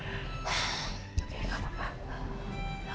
oke gak apa apa